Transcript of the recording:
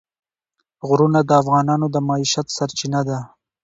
غرونه د افغانانو د معیشت سرچینه ده.